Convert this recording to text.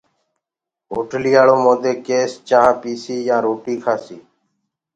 هوٽلَيآݪو مودي ڪيس چآنه پيسي يآنٚ روٽيٚ کآسيٚ